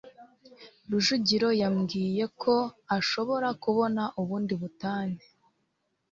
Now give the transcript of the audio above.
rujugiro yambwiye ko ashobora kubona ubundi butane